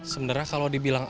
sebenarnya kalau dibilang